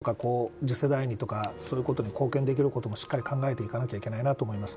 だから、そのことで何とか次世代にとかそういうことに貢献できることもしっかり考えていかないと思います。